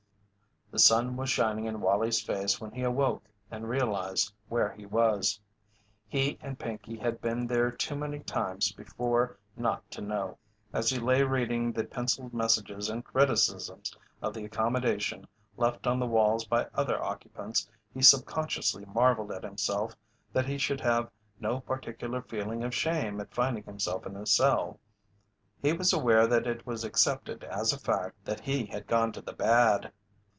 The sun was shining in Wallie's face when he awoke and realized where he was. He and Pinkey had been there too many times before not to know. As he lay reading the pencilled messages and criticisms of the accommodation left on the walls by other occupants he subconsciously marvelled at himself that he should have no particular feeling of shame at finding himself in a cell. He was aware that it was accepted as a fact that he had gone to the bad.